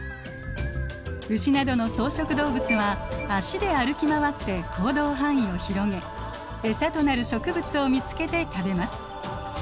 ウシなどの草食動物は脚で歩き回って行動範囲を広げエサとなる植物を見つけて食べます。